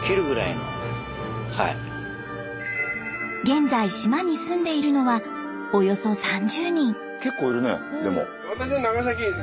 現在島に住んでいるのはおよそ３０人。